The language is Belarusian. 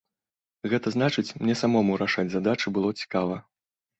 Гэта значыць, мне самому рашаць задачы было цікава.